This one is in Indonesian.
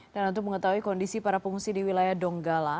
dan untuk mengetahui kondisi para pengungsi di wilayah donggala